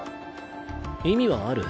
意味はある。